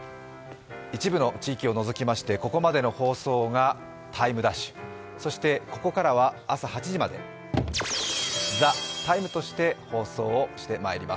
一部の地域を除きまして、ここまでの放送が「ＴＩＭＥ’」そしてここからは朝８時まで「ＴＨＥＴＩＭＥ，」として放送をしてまいります。